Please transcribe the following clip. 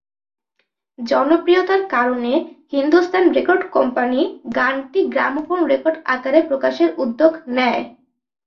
জনপ্রিয়তার কারণে Hindustan record company গানটি গ্রামোফোন রেকর্ড আকারে প্রকাশের উদ্যোগ নেয়।